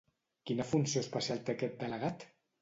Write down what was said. Quina funció especial té aquest delegat?